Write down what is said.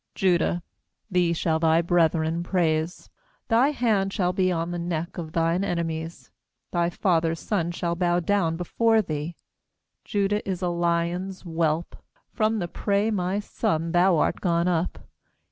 8Judah, thee shall thy brethren praise; Thy hand shall be on the neck of thine enemies; Thy father's sons shall bow down before thee. 9Judah is a lion's whelp; From the prey, my son, thou art gone up.